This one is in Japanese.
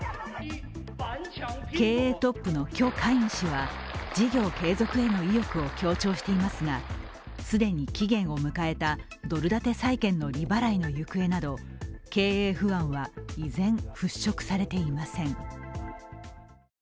経営トップの許家印氏は事業継続への意欲を強調していますが既に期限を迎えたドル建て債券の利払いの行方など経営不安は依然払拭されていません。